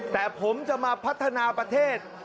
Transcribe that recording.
แต่ผมจะมาพัฒนาประเทศ